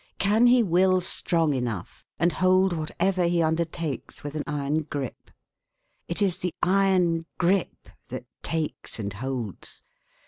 Can he will strong enough, and hold whatever he undertakes with an iron grip? It is the iron grip that takes and holds.